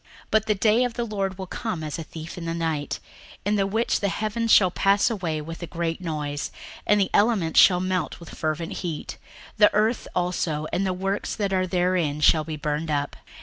61:003:010 But the day of the Lord will come as a thief in the night; in the which the heavens shall pass away with a great noise, and the elements shall melt with fervent heat, the earth also and the works that are therein shall be burned up.